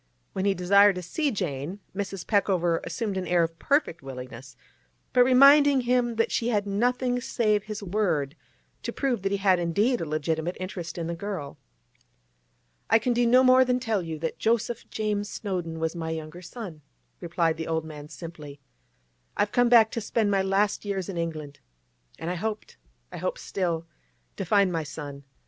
When he desired to see Jane, Mrs. Peckover assumed an air of perfect willingness, but reminded him that she had nothing save his word to prove that he had indeed a legitimate interest in the girl. 'I can do no more than tell you that Joseph James Snowdon was my younger son,' replied the old man simply. 'I've come back to spend my last years in England, and I hoped—I hope still—to find my son.